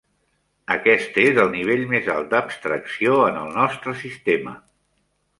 Aquest és el nivell més alt d'abstracció en el nostre sistema.